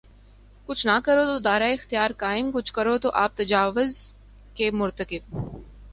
کچھ نہ کرو تو دائرہ اختیار قائم‘ کچھ کرو تو آپ تجاوز کے مرتکب۔